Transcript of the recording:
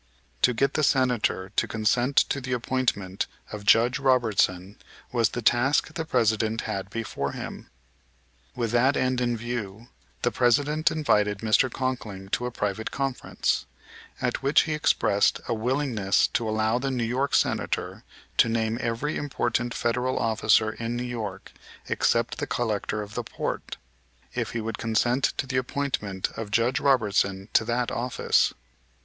To get the Senator to consent to the appointment of Judge Robertson was the task the President had before him. With that end in view the President invited Mr. Conkling to a private conference, at which he expressed a willingness to allow the New York Senator to name every important Federal officer in New York except the Collector of the Port, if he would consent to the appointment of Judge Robertson to that office.